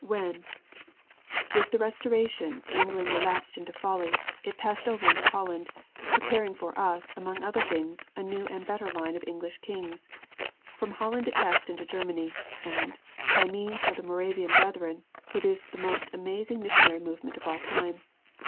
When, with the Restoration, England relapsed into folly, it passed over into Holland, preparing for us, among other things, a new and better line of English kings. From Holland it passed into Germany, and, by means of the Moravian Brethren, produced the most amazing missionary movement of all time.